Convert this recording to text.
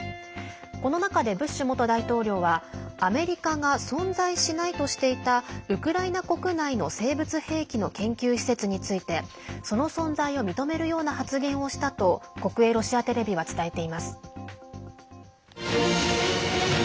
この中でブッシュ元大統領はアメリカが存在しないとしていたウクライナ国内の生物兵器の研究施設についてその存在を認めるような発言をしたと国営ロシアテレビは伝えています。